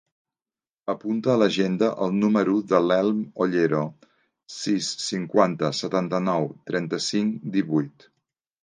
Apunta a l'agenda el número de l'Elm Ollero: sis, cinquanta, setanta-nou, trenta-cinc, divuit.